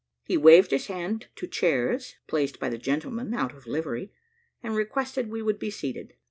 He waved his hand to chairs, placed by the gentleman out of livery, and requested we would be seated.